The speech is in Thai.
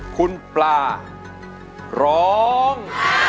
คุณปลาร้อง